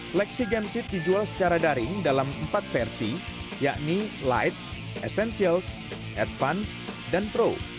flexi game seat dijual secara daring dalam empat versi yakni light essentials advance dan pro